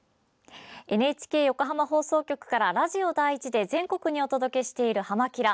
ＮＨＫ横浜放送局からラジオ第１で全国にお届けしている「はま☆キラ！」。